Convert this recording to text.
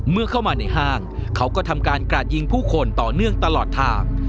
เมื่อเข้ามาในห้างเขาก็ทำการกราดยิงผู้คนต่อเนื่องตลอดทาง